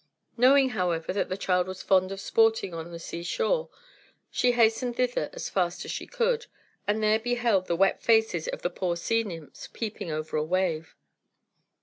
Knowing, however, that the child was fond of sporting on the seashore, she hastened thither as fast as she could, and there beheld the wet faces of the poor sea nymphs peeping over a wave.